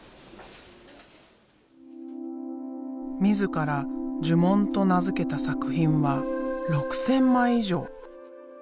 自ら「呪文」と名付けた作品は６，０００枚以上。